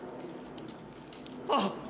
あっ。